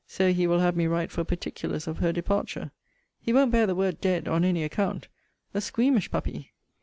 So he will have me write for particulars of her departure. He won't bear the word dead on any account. A squeamish puppy!